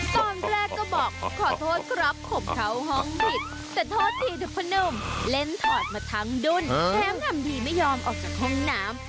ตอนแรกก็บอกขอโทษครับขบเข้าห้องผิดแต่โทษทีดุพนมเล่นถอดมาทั้งดุ้นแถมทำดีไม่ยอมออกจากห้องน้ำ